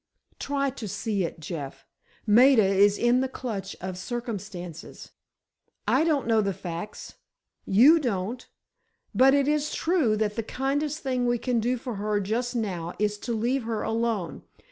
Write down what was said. Try to see it, Jeff. Maida is in the clutch of circumstances. I don't know the facts, you don't; but it is true that the kindest thing we can do for her just now is to leave her alone.